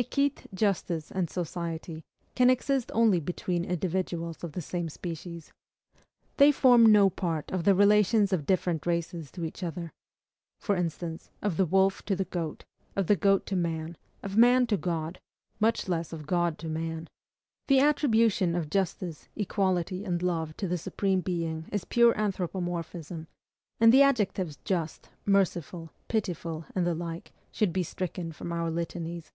Equite, justice, and society, can exist only between individuals of the same species. They form no part of the relations of different races to each other, for instance, of the wolf to the goat, of the goat to man, of man to God, much less of God to man. The attribution of justice, equity, and love to the Supreme Being is pure anthropomorphism; and the adjectives just, merciful, pitiful, and the like, should be stricken from our litanies.